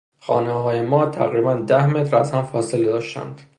خانههای ما تقریبا ده متر از هم فاصله داشتند.